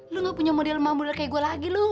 lo enggak punya model mamuler kayak gua lagi